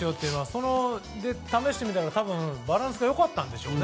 それで試してみたらバランスが良かったんでしょう。